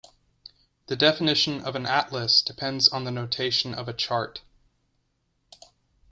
The definition of an atlas depends on the notion of a "chart".